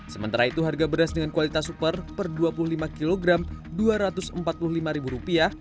sementara itu harga beras dengan kualitas super per dua puluh lima kg rp dua ratus empat puluh lima rupiah